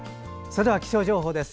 それでは気象情報です。